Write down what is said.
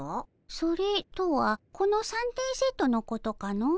それとはこの三点セットのことかの？